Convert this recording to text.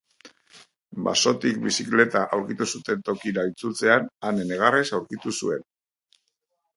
Basotik bizikleta aurkitu zuten tokira itzultzean Ane negarrez aurkitu zuen.